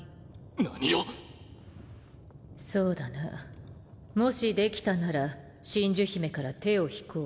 何を⁉そうだなもしできたなら真珠姫から手を引こう。